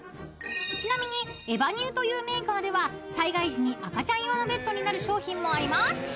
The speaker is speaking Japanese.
［ちなみにエバニューというメーカーでは災害時に赤ちゃん用のベッドになる商品もあります］